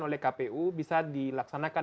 oleh kpu bisa dilaksanakan